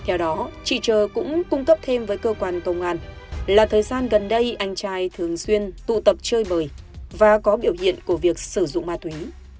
anh trờ cũng cung cấp thêm với cơ quan công an là thời gian gần đây anh trai thường xuyên tụ tập chơi bời và có biểu diện của việc sử dụng ma túy